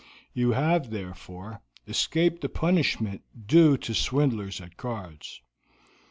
You have, therefore, escaped the punishment due to swindlers at cards.